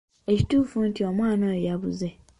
Kituufu nti omwana oyo yabuze?